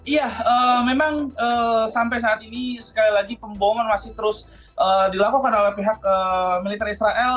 iya memang sampai saat ini sekali lagi pembohongan masih terus dilakukan oleh pihak militer israel